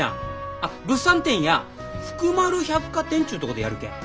あっ物産展や福丸百貨店ちゅうとこでやるけん。